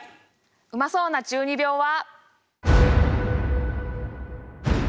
うまそうな中二病は。